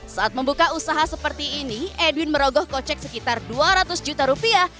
saat membuka usaha seperti ini edwin merogoh kocek sekitar dua ratus juta rupiah